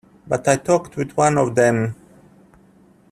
But I talked with one of them.